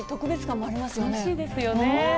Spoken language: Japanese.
楽しいですよね。